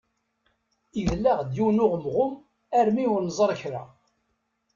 Idel-aɣ-d yiwen uɣemɣum armi ur nẓerr kra.